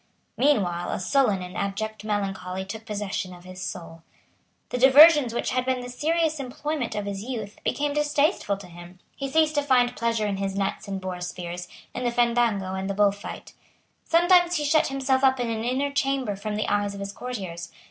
Meanwhile a sullen and abject melancholy took possession of his soul. The diversions which had been the serious employment of his youth became distasteful to him. He ceased to find pleasure in his nets and boar spears, in the fandango and the bullfight. Sometimes he shut himself up in an inner chamber from the eyes of his courtiers.